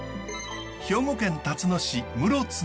兵庫県たつの市室津の海。